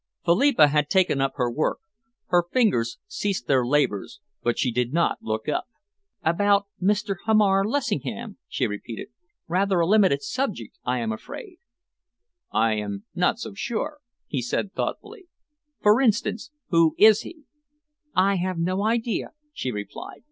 Philippa had taken up her work. Her fingers ceased their labours, but she did not look up. "About Mr. Hamar Lessingham," she repeated. "Rather a limited subject, I am afraid." "I am not so sure," he said thoughtfully. "For instance, who is he?" "I have no idea," she replied.